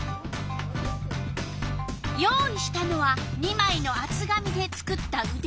用意したのは２まいのあつ紙で作ったうで。